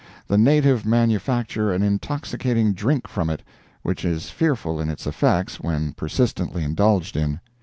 The native manufacture an intoxicating drink from it which is fearful in its effects when persistently indulged in.